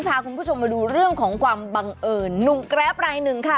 พาคุณผู้ชมมาดูเรื่องของความบังเอิญหนุ่มแกรปรายหนึ่งค่ะ